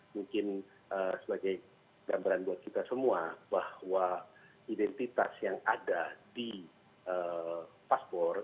mungkin sebagai gambaran buat kita semua bahwa identitas yang ada di paspor